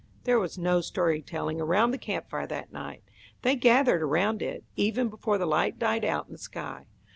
There was no story telling around the camp fire that night. They gathered around it, even before the light died out in the sky.